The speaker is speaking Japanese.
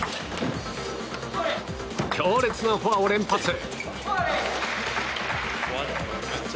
強烈なフォアを連発！